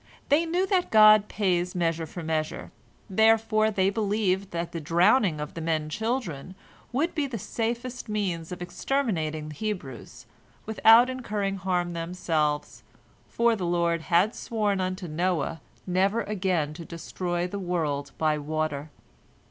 They knew that God pays measure for measure, therefore they believed that the drowning of the men children would be the safest means of exterminating the Hebrews, without incurring harm themselves, for the Lord had sworn unto Noah never again to destroy the world by water.